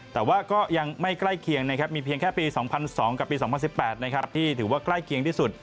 แต่ว่าก็ยังไม่ใกล้เคียงนะครับมีเพียงแค่ปี๒๐๐๒กับปี๒๐๑๘นะครับที่ถือว่าใกล้เคียงที่สุด